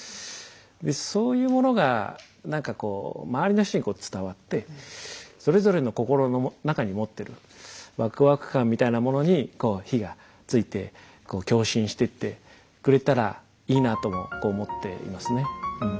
でそういうものが何かこう周りの人にこう伝わってそれぞれの心の中に持ってるワクワク感みたいなものに火がついて共振してってくれたらいいなとも思っていますね。